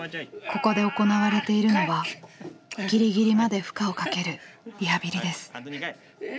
ここで行われているのはぎりぎりまで負荷をかけるリハビリです。